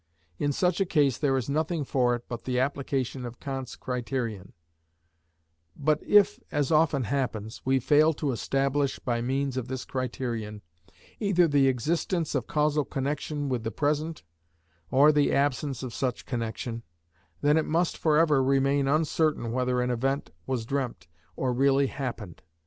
In such a case there is nothing for it but the application of Kant's criterion; but if, as often happens, we fail to establish by means of this criterion, either the existence of causal connection with the present, or the absence of such connection, then it must for ever remain uncertain whether an event was dreamt or really happened.